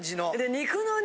肉のね